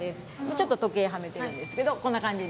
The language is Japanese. ちょっと時計はめてるんですけどこんな感じで。